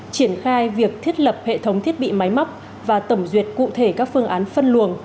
triển khai việc thiết lập hệ thống thiết bị máy móc và tổng duyệt cụ thể các phương án phân luồng